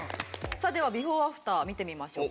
さあではビフォーアフター見てみましょう。